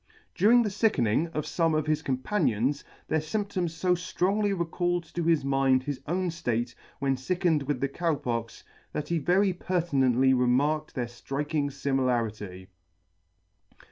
During the fickening of fome of his companions, their fymp toms fo ftrongly recalled to his mind his own ftate when fick ening with the Cow Pox, that he very pertinently remarked their flriking fimilarity.